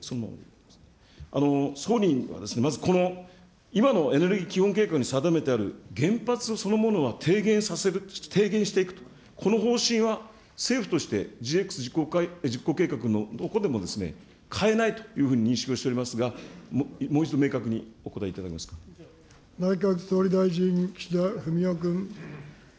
総理には、この今のエネルギー基本計画に定めてある、原発そのものは低減させる、低減していくと、この方針は政府としてＧＸ実行計画のもとでも変えないということを認識をしておりますが、もう一度明内閣総理大臣、岸田文雄君。